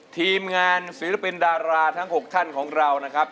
ทีมงานศิลปินดาราทั้ง๖ท่านของเรานะครับ